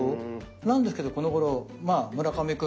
なんですけどこのごろ村上君